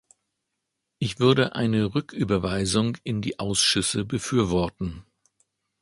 Ich würde eine Rücküberweisung in die Ausschüsse befürworten.